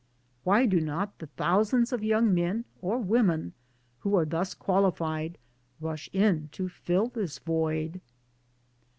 Why do not the thousands of young men (or women) who are thus qualified rush in to fill this void?